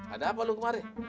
ada apa lu kemarin